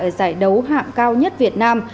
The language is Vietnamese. ở giải đấu hạng cao nhất việt nam